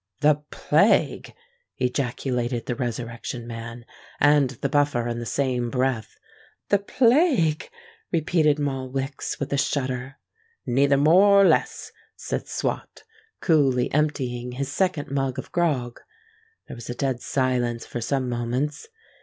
"The plague!" ejaculated the Resurrection Man and the Buffer in the same breath. "The plague!" repeated Moll Wicks, with a shudder. "Neither more or less," said Swot, coolly emptying his second mug of grog. There was a dead silence for some moments.